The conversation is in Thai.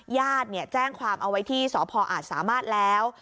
ญาติแจ้งความเอาไว้ที่สพอาจสามารถแล้ว